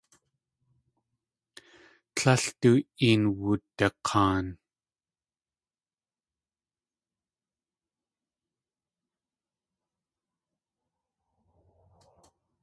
Tlél du een wudak̲aan.